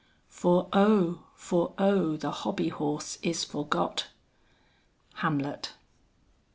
"For, O; for, O the hobby horse is forgot." HAMLET.